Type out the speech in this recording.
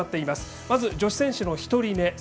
まず、女子選手の１人目。